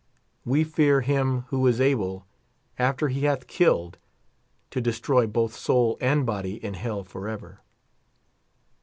We fear Him who is able, after he hath killed, to destroy both soul and body in hell forever.